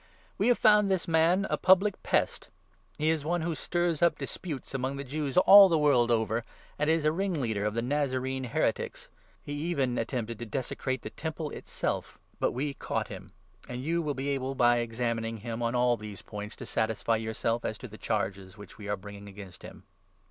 We have found this man a 5 public pest ; he is one who stirs up disputes among the Jews all the world over, and is a ringleader of the Nazarene heretics. He even attempted to desecrate the Temple itself, but we 6 caught him ; and you will be able, by examining him on all 8 these points, to satisfy yourself as to the charges which we are bringing against him."